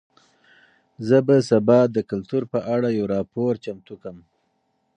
زه به سبا د کلتور په اړه یو راپور چمتو کړم.